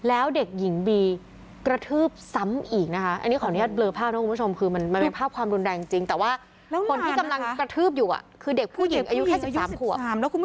อายุ๑๓แล้วก็คุณผู้ชมดูภาพกล้องพ๒๐๒๕